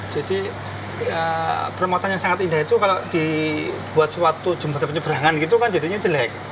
jadi perempatannya yang sangat indah itu kalau dibuat suatu jumlah penyeberangan gitu kan jadinya jelek